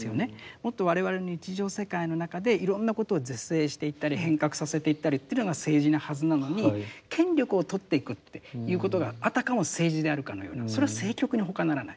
もっと我々の日常世界の中でいろんなことを是正していったり変革させていったりというのが政治なはずなのに権力を取っていくっていうことがあたかも政治であるかのようなそれは政局にほかならない。